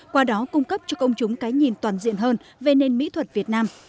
qua đó cung cấp cho công chúng cái nhìn toàn diện hơn về nền mỹ thuật việt nam